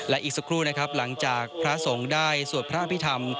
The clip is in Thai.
และอีกสักครู่นะครับหลังจากพระสงฆ์ได้สวดพระอภิษฐรรม